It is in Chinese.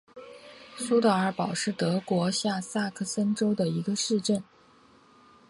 苏德尔堡是德国下萨克森州的一个市镇。